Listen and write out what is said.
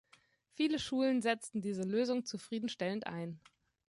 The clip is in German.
Viele Schulen setzten diese Lösung zufriedenstellend ein.